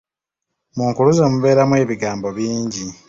Mu nkuluze mubeeramu ebigambo bingi.